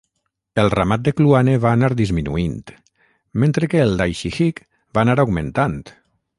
El ramat de Kluane va anar disminuint mentre que el d'Aishihik va anar augmentant.